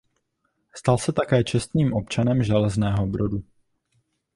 Stal se také čestným občanem Železného Brodu.